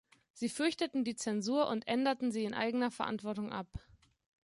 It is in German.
Sie fürchteten die Zensur und änderten sie in eigener Verantwortung ab.